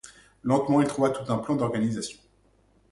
Lentement, il trouva tout un plan d’organisation.